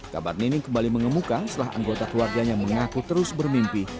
kabar nining kembali mengemuka setelah anggota keluarganya mengaku terus bermimpi